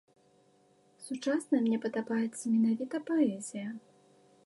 Сучасная мне падабаецца менавіта паэзія.